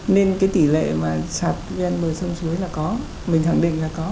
nên cái tỷ lệ mà sạt ghen bờ sông suối là có mình thẳng định là có